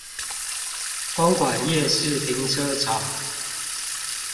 公館夜市停車場